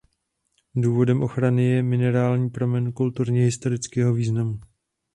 Důvodem ochrany je minerální pramen kulturně historického významu.